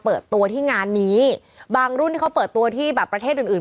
เปิดตัวที่งานนี้บางรุ่นที่เขาเปิดตัวที่แบบประเทศอื่นอื่น